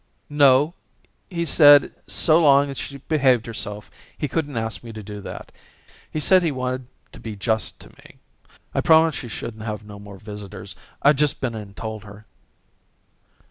"No, he said so long as she behaved herself he couldn't ask me to do that. He said he wanted to be just to me. I promised she shouldn't have no more visitors. I've just been and told her."